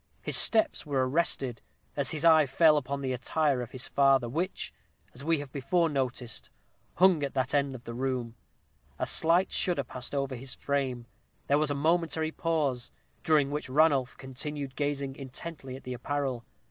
His steps were arrested as his eye fell upon the attire of his father, which, as we have before noticed, hung at that end of the room. A slight shudder passed over his frame. There was a momentary pause, during which Ranulph continued gazing intently at the apparel.